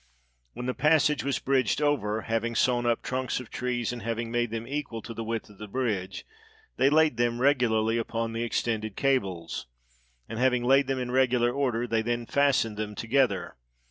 When the passage was bridged over, having sawn up trunks of trees, and having made them equal to the width of the bridge, they laid them regularly upon the extended cables; and having laid them in regular order, they then fastened them together.